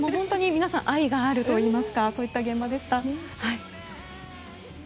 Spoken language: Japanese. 皆さん愛があるといいますかそういった現場でした。